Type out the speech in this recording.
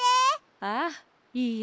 ああいいよ。